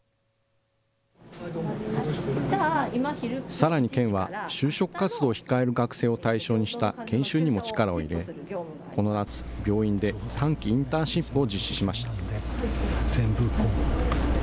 さらに県は、就職活動を控える学生を対象にした研修にも力を入れ、この夏、病院で短期インターンシップを実施しました。